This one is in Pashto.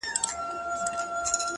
سترگي ور واوښتلې”